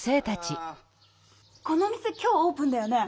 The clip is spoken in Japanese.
・この店今日オープンだよね。